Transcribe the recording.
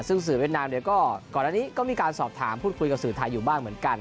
ซึ่งสื่อเวียดนามเนี่ยก็ก่อนอันนี้ก็มีการสอบถามพูดคุยกับสื่อไทยอยู่บ้างเหมือนกัน